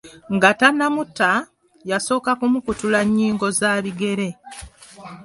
Nga tannamutta, yasooka kumukutula nnyingo za bigere.